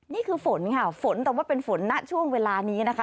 นี่คือฝนค่ะฝนแต่ว่าเป็นฝนณช่วงเวลานี้นะคะ